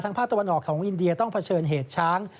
ภาคตะวันออกของอินเดียต้องเผชิญเหตุช้าง